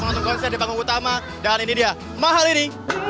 untuk konser di panggung utama dan ini dia mahal ini